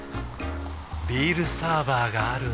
ビールサーバーがある夏。